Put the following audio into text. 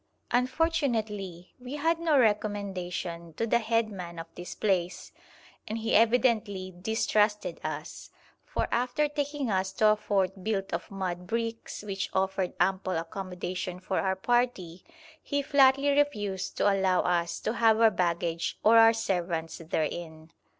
Unfortunately we had no recommendation to the head man of this place, and he evidently distrusted us, for after taking us to a fort built of mud bricks, which offered ample accommodation for our party, he flatly refused to allow us to have our baggage or our servants therein.